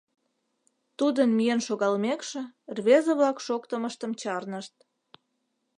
Тудын миен шогалмекше, рвезе-влак шоктымыштым чарнышт.